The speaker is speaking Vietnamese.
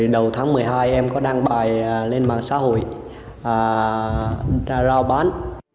đầu tháng một mươi hai em có đăng bài lên mạng xã hội ra giao bán